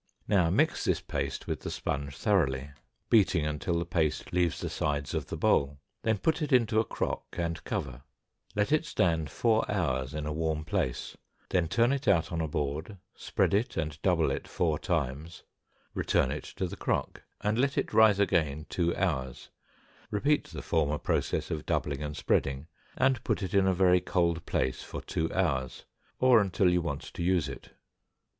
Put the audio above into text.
Now mix this paste with the sponge thoroughly, beating until the paste leaves the sides of the bowl, then put it in a crock and cover; let it stand four hours in a warm place, then turn it out on a board, spread it and double it four times, return it to the crock, and let it rise again two hours; repeat the former process of doubling and spreading, and put it in a very cold place for two hours, or until you want to use it.